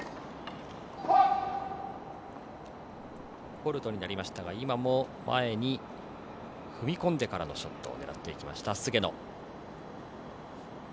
フォールトになりましたが今も前に踏み込んでからのショット、狙っていった菅野。